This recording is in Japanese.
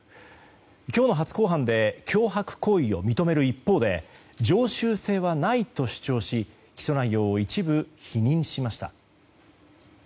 今日の初公判で脅迫行為を認める一方で常習性はないと主張し起訴内容を一部否認しました。